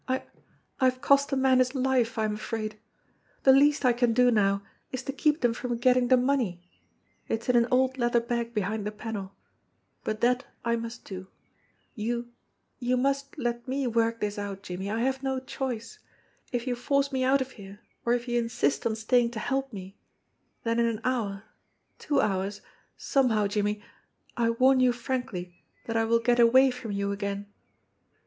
I I have cost a man his life, I am afraid. The least I can do now is to keep them from getting the money it's in an old leather bag behind the panel but that I must do. You you must THE PANELLED WALL 119 let me work this out, Jimmie. I have no choice. If you force me out of here, or if you insist on staying to help me, then in an hour, two hours, somehow, Jimmie, I warn you frankly that I will get away from you again."